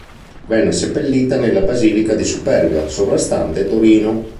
Venne seppellita nella basilica di Superga, sovrastante Torino.